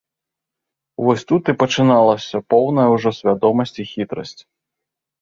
Вось тут і пачыналася поўная ўжо свядомасць і хітрасць.